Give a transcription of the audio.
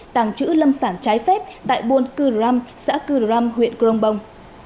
tàng trữ lâm sản trái phép tại buôn cư ram xã cư ram huyện crong bong